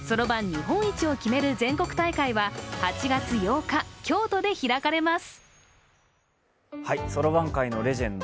日本一を決める全国大会は８月８日、京都で開かれます。